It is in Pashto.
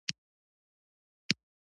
ډیره لږه موده کې متحد کړل.